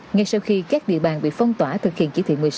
ngay sau khi các địa bàn bị phong tỏa thực hiện chỉ thị một mươi sáu